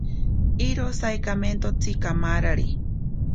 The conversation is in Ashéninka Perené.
Iro saikamentotsi kamarari.